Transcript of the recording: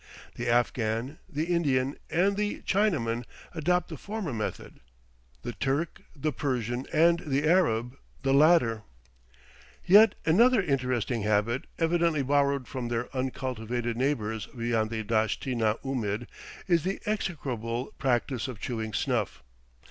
The Afghan, the Indian, and the Chinaman adopt the former method; the Turk, the Persian, and the Arab the latter. Yet another interesting habit, evidently borrowed from their uncultivated neighbors beyond the Dasht i na oomid, is the execrable practice of chewing snuff.